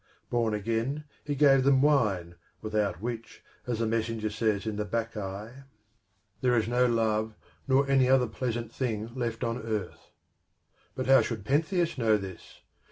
Born again, he gave them wine, without which, as the messenger says in the Bacchae, " there is no love nor any other pleasant thing left on earth." But how should Pentheus know this?